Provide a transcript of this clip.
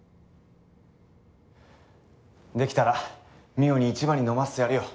できたら望緒に一番に飲ませてやるよ。